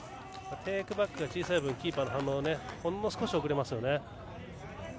テイクバックが小さい分キーパーの反応がほんの少し遅れますね。